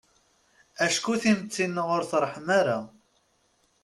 Acku timetti-nneɣ ur treḥḥem ara.